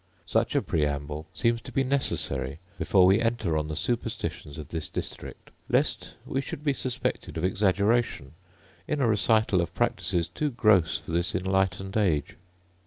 Such a preamble seems to be necessary before we enter on the superstitions of this district, lest we should be suspected of exaggeration in a recital of practices too gross for this enlightened age.